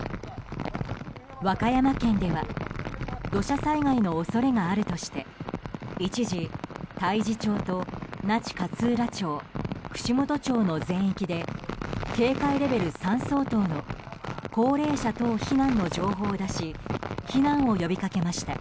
和歌山県では土砂災害の恐れがあるとして一時、太地町と那智勝浦町串本町の全域で警戒レベル３相当の高齢者等避難の情報を出し避難を呼びかけました。